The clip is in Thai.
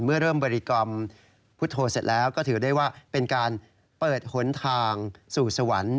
เมื่อเริ่มบริกรรมพุทธโธเสร็จแล้วก็ถือได้ว่าเป็นการเปิดหนทางสู่สวรรค์